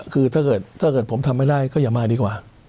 คือถ้าเกิดผมทำไม่ได้ก็อย่ามาดีกว่า